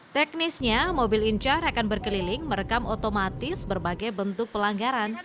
teknisnya mobil incar akan berkeliling merekam otomatis berbagai bentuk pelanggaran